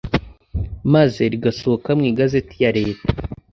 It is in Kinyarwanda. maze rigasohoka mu Igazeti ya Leta